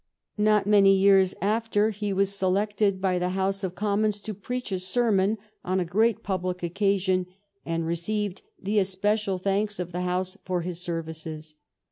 Not many years after he was selected by the House of 804 SACHEVERELL Commons to preach a sermon on a great public occa sioUy and received the especial thanks of the Houso for his services.